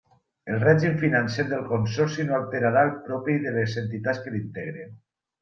El règim financer del consorci no alterarà el propi de les entitats que l'integren.